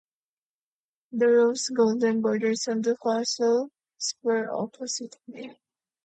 The rose garden borders on the castle square oppositely.